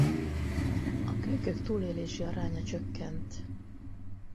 A kölykök túlélési aránya csökkent.